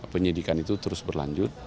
penyidikan itu terus berlanjut